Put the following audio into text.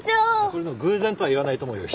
これ偶然とは言わないと思うよ。